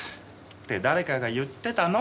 って誰かが言ってたの？